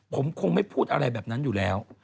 ผมคงไม่พูดอะไรแบบนั้นอยู่แล้ว